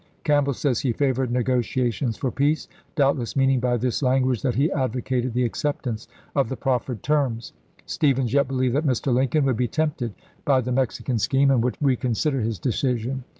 Campbell says he "favored negotia "Recoiiec «,,,.,,. tions," etc. tions for peace" — doubtless meaning by this Pamphlet, language that he advocated the acceptance of the proffered terms. Stephens yet believed that Mr. Lincoln would be tempted by the Mexican scheme and would reconsider his decision.